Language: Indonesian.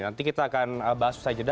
nanti kita akan bahas usai jeda